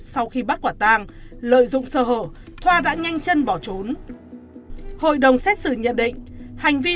sau khi bắt quả tàng lợi dụng sơ hở thoa đã nhanh chân bỏ trốn hội đồng xét xử nhận định hành vi